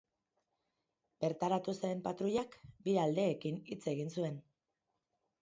Bertaratu zen patruilak bi aldeekin hitz egin zuen.